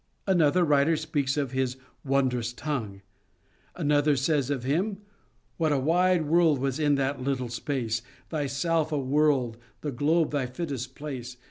Another writer speaks of his " wondrous tongue "; another says of him : What a wide world was in that little space, Thyself a world— The Globe thy fittest place.